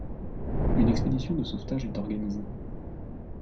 Une expédition de sauvetage est organisée.